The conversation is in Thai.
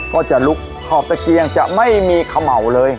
ก็จะลุกขอบตะเกียงจะไม่มีเขม่าเลย